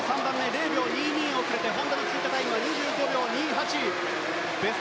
０秒２２遅れて本多の通過タイムは２５秒２８。